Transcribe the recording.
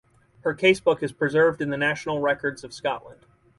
Her casebook is preserved in the National Records of Scotland.